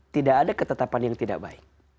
tidak ada ketetapan yang tidak baik